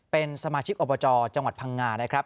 เป็นสมาชิกอบจจังหวัดพังงานะครับ